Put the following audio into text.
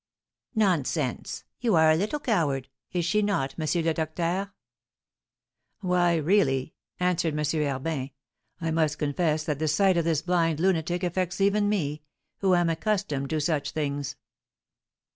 "Nonsense! You are a little coward! Is she not, M. le Docteur?" "Why, really," answered M. Herbin, "I must confess that the sight of this blind lunatic affects even me, who am accustomed to such things."